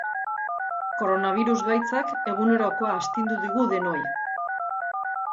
Koronabirus gaitzak egunerokoa astindu digu denoi.